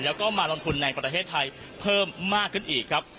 แล้วก็มาลงทุนในประเทศไทยเพิ่มมากขึ้นอีกครับ